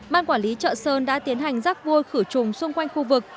ban quản lý chợ sơn đã tiến hành rắc vôi khử trùng xung quanh khu vực